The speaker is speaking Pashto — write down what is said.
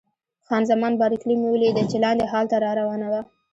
خان زمان بارکلي مې ولیده چې لاندې هال ته را روانه وه.